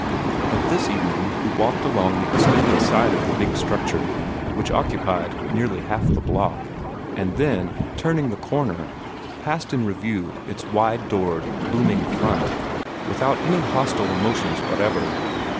But this evening he walked along the extended side of the big structure, which occupied nearly half the block, and then, turning the corner, passed in review its wide doored, looming front, without any hostile emotions whatever.